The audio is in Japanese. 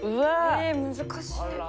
え難しい。